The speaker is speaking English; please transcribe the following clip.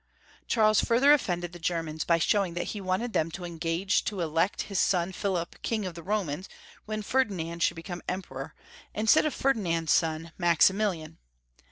Charles further offended the Germans by show ing that he wanted them to engage to elect his son Philip King of the Romans when Ferdinand should become Emperor, instead of Ferdinand's son, Max imilian.